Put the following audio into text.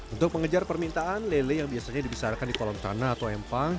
untuk mengejar permintaan lele yang biasanya dibesarkan di kolam tanah atau empang